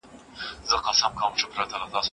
محصل د څيړني نوې پوښتنې جوړوي.